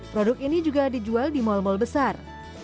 produk ini juga dijual di mal mal besar